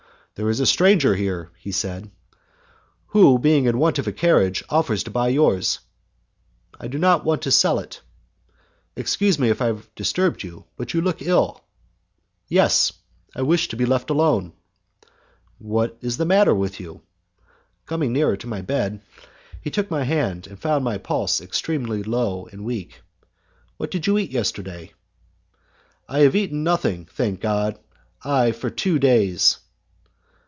"There is a stranger here," he said, "who, being in want of a carriage, offers to buy yours" "I do not want to sell it." "Excuse me if I have disturbed you, but you look ill." "Yes, I wish to be left alone." "What is the matter with you?" Coming nearer my bed, he took my hand, and found my pulse extremely low and weak. "What did you eat yesterday?" "I have eaten nothing, thank God! for two days."